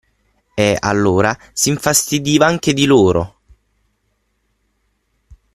e, allora, s'infastidiva anche di loro.